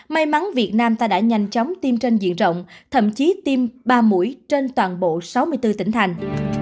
may mắn việt nam ta đã nhanh chóng tiêm trên diện rộng thậm chí tiêm ba mũi trên toàn bộ sáu mươi bốn tỉnh thành